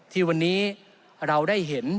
ที่วันนี้เราได้เห็น